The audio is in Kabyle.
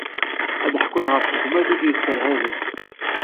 Ad ḥekkun ɣef tezmert-ik yesserhaben.